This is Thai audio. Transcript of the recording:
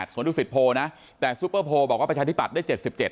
สวนดุสิตโพลนะแต่ซูเปอร์โพลบอกว่าประชาธิบัตย์ได้๗๗